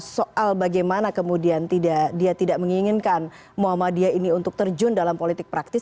soal bagaimana kemudian dia tidak menginginkan muhammadiyah ini untuk terjun dalam politik praktis